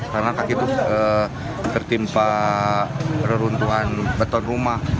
karena kaki tuh tertimpa reruntuhan beton rumah